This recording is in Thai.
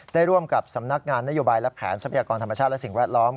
ได้ร่วมกับสำนักงานนโยบายและแผนทรัพยากรธรรมชาติและสิ่งแวดล้อม